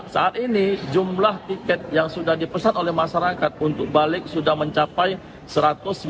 saat ini jumlah tiket yang sudah dipesan oleh masyarakat untuk balik sudah menyebabkan